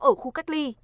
ở khu cách ly